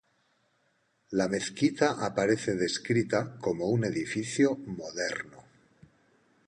La mezquita aparece descrita como un edificio "moderno".